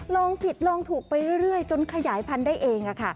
ลองผิดลองถูกไปเรื่อยจนขยายพันธุ์ได้เอง